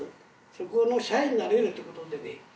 そこの社員になれるってことでね